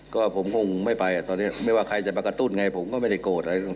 ก็ผมคงไม่ไปไม่ว่าใครจะมากระตุ้นผมก็ไม่ถึงโกรธอะไร